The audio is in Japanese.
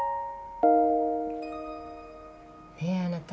ねえあなた。